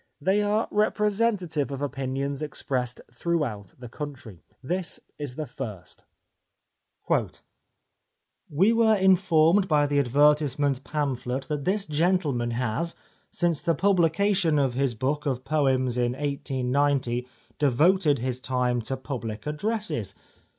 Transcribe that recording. They are repre sentative of opinions expressed throughout the country. This is the first :—" We were informed by the advertisement pamphlet that this gentleman has, since the publication of his book of poems in 1890, devoted liis time to public addresses.